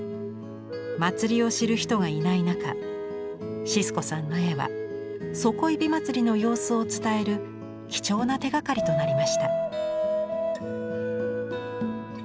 祭りを知る人がいない中シスコさんの絵は底井まつりの様子を伝える貴重な手がかりとなりました。